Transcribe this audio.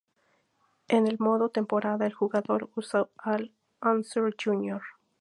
En el modo temporada el jugador usa a Al Unser Jr.